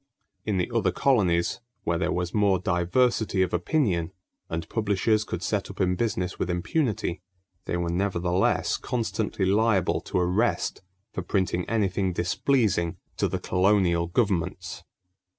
In the other colonies where there was more diversity of opinion and publishers could set up in business with impunity, they were nevertheless constantly liable to arrest for printing anything displeasing to the colonial governments.